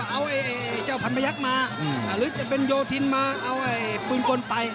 เอาเจ้าพันพยักษ์มาหรือจะเป็นโยธินมาเอาปืนกลไป